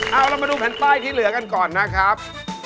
เอาเรามาดูแผ่นป้ายที่เหลือกันก่อนนะครับ